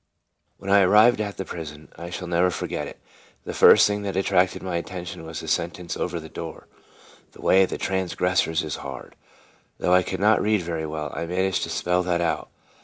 When I arrived at the prison I shall never forget it the first thing that attracted my attention was the sentence over the door: " The way of transgressors is hard." Though I could not read very well, I managed to spell that out.